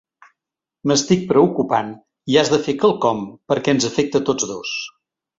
M'estic preocupant i has de fer quelcom perquè ens afecta tots dos.